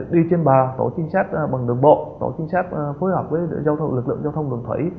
đi trên bà tổ trinh sát bằng đường bộ tổ trinh sát phối hợp với lực lượng giao thông đường thủy